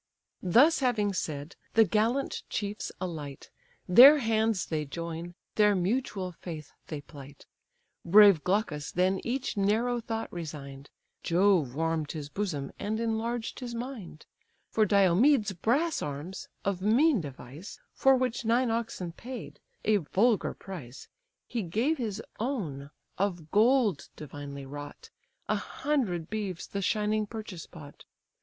Thus having said, the gallant chiefs alight, Their hands they join, their mutual faith they plight; Brave Glaucus then each narrow thought resign'd, (Jove warm'd his bosom, and enlarged his mind,) For Diomed's brass arms, of mean device, For which nine oxen paid, (a vulgar price,) He gave his own, of gold divinely wrought, A hundred beeves the shining purchase bought.